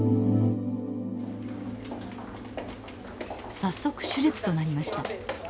早速手術となりました。